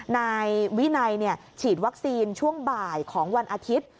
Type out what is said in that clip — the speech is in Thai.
นายวินัยฉีดวัคซีนช่วงบ่ายของวันอาทิตย์